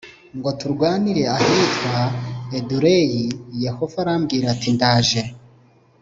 ngo turwanire ahitwa Edureyi Yehova arambwira ati ndaje